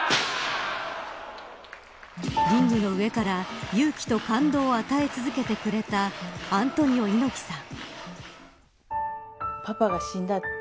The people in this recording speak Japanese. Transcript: リングの上から勇気と感動を与え続けてくれたアントニオ猪木さん。